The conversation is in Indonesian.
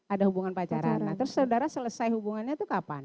ada hubungan pacaran nah terus saudara selesai hubungannya itu kapan